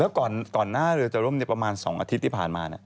แล้วก่อนหน้าเรือจะร่มประมาณ๒อาทิตย์ที่ผ่านมา